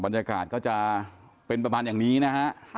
บรรยากาศก็จะเป็นประมาณอย่างนี้นะฮะ